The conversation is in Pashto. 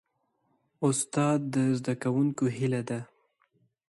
استاد د زدهکوونکو هیله ده.